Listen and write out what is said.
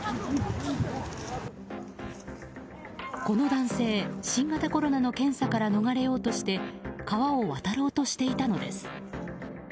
この男性、新型コロナの検査から逃れようとして川を渡ろうとしていたのです。